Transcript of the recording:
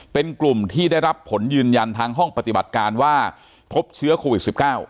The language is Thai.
เป็นกลุ่มที่ได้รับผลยืนยันทางห้องปฏิบัติการว่าพบเชื้อโควิด๑๙